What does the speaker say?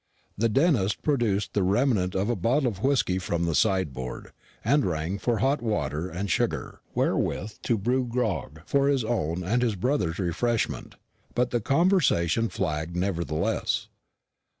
The dentist produced the remnant of a bottle of whisky from the sideboard, and rang for hot water and sugar, wherewith to brew grog, for his own and his brother's refreshment; but the conversation flagged nevertheless.